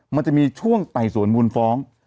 มันจะมีช่วงไต่สวนมูลฟ้อง